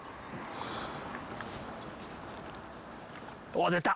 お出た！